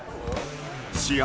試合